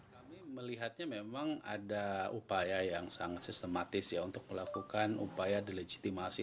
kami melihatnya memang ada upaya yang sangat sistematis ya untuk melakukan upaya delegitimasi